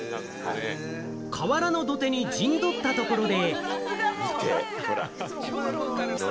河原の土手に陣取ったところで。